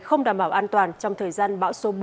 không đảm bảo an toàn trong thời gian bão số bốn